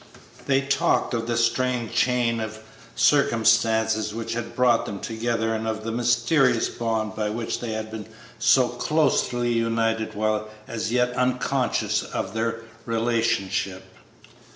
They talked of the strange chain of circumstances which had brought them together and of the mysterious bond by which they had been so closely united while as yet unconscious of their relationship.